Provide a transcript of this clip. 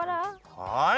はい。